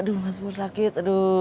aduh mas pur sakit